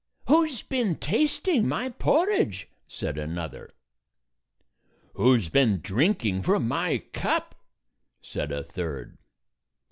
"Who 's been tasting my por ridge?" said another. "Who's been drinking from my cup?" said a third.